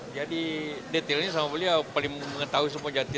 jadi detailnya sama beliau paling mengetahui semua jantina